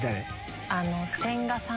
千賀さん。